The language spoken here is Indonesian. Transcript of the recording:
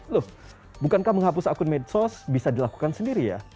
loh bukankah menghapus akun medsos bisa dilakukan sendiri ya